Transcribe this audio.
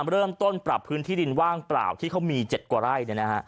เริ่มต้นปรับพื้นที่ดินว่างเปล่าที่เขามี๗กว่าไร่